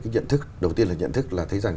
cái nhận thức đầu tiên là nhận thức là thấy rằng